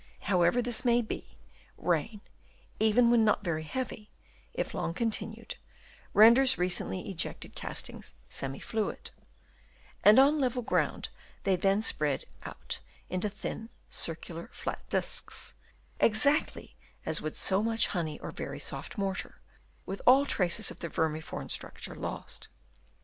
However this may be, rain, even when not very heavy, if long continued, renders recently ejected castings semi fluid; and on level ground they then spread out into thin, circular, flat discs, exactly as would so much honey or very soft mortar, with all traces of their vermiform structure lost.